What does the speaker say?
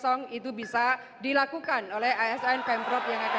jika industri empat itu bisa diakses oleh seluruh masyarakat bangsa dan negara